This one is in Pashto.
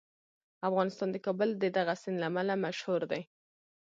افغانستان د کابل د دغه سیند له امله مشهور دی.